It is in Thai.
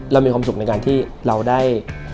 มีความสุขในการที่เราได้